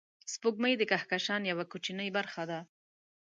سپوږمۍ د کهکشان یوه کوچنۍ برخه ده